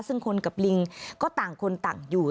ซึ่งคนกับลิงก็ต่างคนต่างอยู่